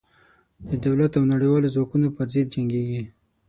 د دولت او نړېوالو ځواکونو پر ضد جنګېږي.